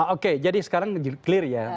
oke jadi sekarang clear ya